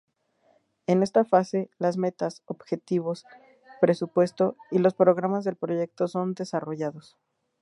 En esta fase, las metas, objetivos, presupuesto, y los programas del proyecto son desarrollados.